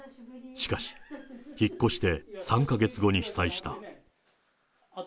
しかし、引っ越して３か月後に被災した。